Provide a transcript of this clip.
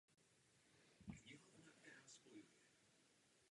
Při postižení plic se objevují dýchací potíže.